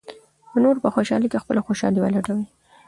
د نورو په خوشالۍ کې خپله خوشالي ولټوئ.